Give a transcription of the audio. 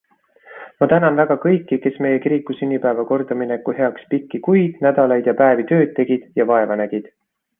Ma tänan väga kõiki, kes meie kiriku sünnipäeva kordamineku heaks pikki kuid, nädalaid ja päevi tööd tegid ja vaeva nägid.